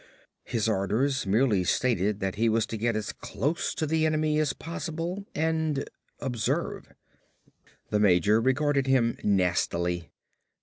His orders merely stated that he was to get as close to the enemy as possible and observe. The major regarded him nastily.